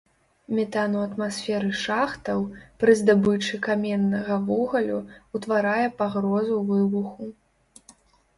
Метан у атмасферы шахтаў пры здабычы каменнага вугалю утварае пагрозу выбуху.